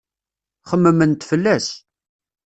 Xemmement fell-as.